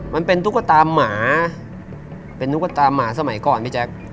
ตุ๊กตาหมาเป็นตุ๊กตาหมาสมัยก่อนพี่แจ๊ค